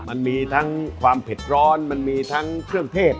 มันมีทั้งความเผ็ดร้อนมันมีทั้งเครื่องเทศ